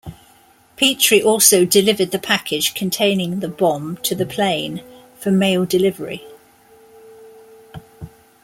Pitre also delivered the package containing the bomb to the plane, for mail delivery.